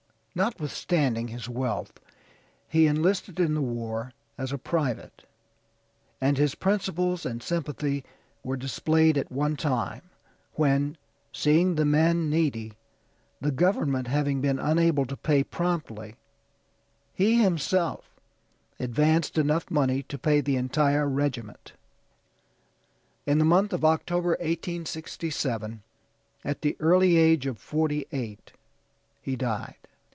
Notwithstanding his wealth, he enlisted in the war as a private, and his principles and sympathy were displayed at one time when, seeing the men needy, the government having been unable to pay promptly, he himself advanced enough money to pay the entire regiment. In the month of October, 1867, at the early age of forty eight he died.